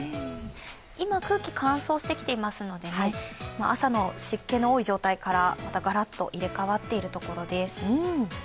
今、空気乾燥してきていますので朝の湿気の多い状態からまたガラッと入れ代わっているところです。